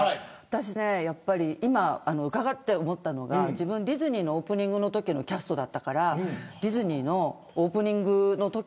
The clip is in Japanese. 今、伺って思ったのが自分、ディズニーのオープニングのときのキャストだったからディズニーのオープニングの。